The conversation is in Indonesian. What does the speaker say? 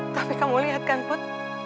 tapi kamu lihat kan put